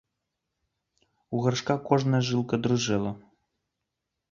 У Гаршка кожная жылка дрыжэла.